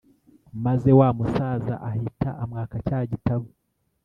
maze wa musaza ahita amwaka cya gitabo